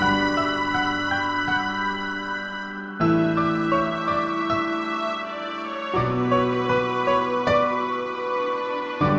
mau nyambut rekam the